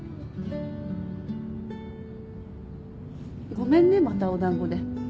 ごめんねまたお団子で。